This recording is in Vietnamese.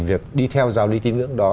chỉ việc đi theo giao lý tín ngưỡng đó